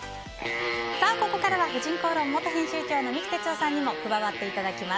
ここからは「婦人公論」元編集長の三木哲男さんにも加わっていただきます。